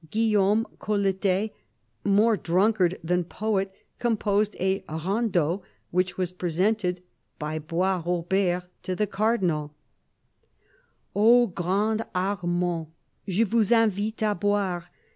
Guillaume CoUetet, more drunkard than poet, composed a rondeau which was presented by Boisrobert to the Cardinal : "Au grand Artnand je vous invite k boire